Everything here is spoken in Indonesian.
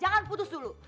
jangan putus dulu